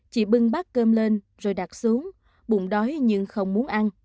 chị bưng bát cơm lên rồi đặt xuống bụng đói nhưng không muốn ăn